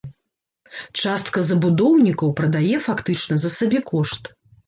Частка забудоўнікаў прадае фактычна за сабекошт.